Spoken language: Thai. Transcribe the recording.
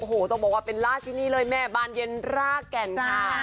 โอ้โหต้องบอกว่าเป็นราชินีเลยแม่บานเย็นรากแก่นค่ะ